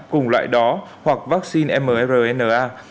cùng loại đó hoặc vaccine mrna